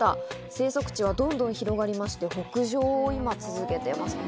生息地はどんどん広がりまして、北上を今続けています。